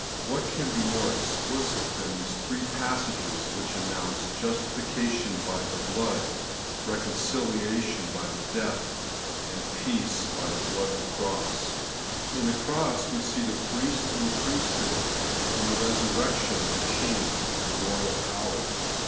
What can be more explicit than these three passages, which announce justification by the blood, reconciliation by the death, and peace by ' the blood of the cross V In the cross we see the Priest and priesthood ; in the resurrection, the King and royal power.